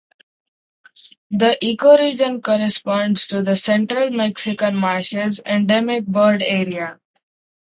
The ecoregion corresponds to the Central Mexican marshes endemic bird area.